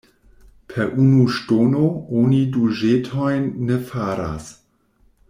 Per unu ŝtono oni du ĵetojn ne faras.